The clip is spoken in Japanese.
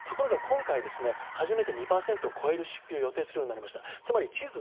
しかし今回、初めて２％を超える出費を予定するようになりました。